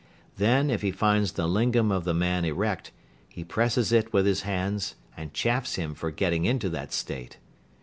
Then, if he finds the lingam of the man erect, he presses it with his hands, and chaffs him for getting into that state.